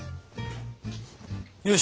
よし！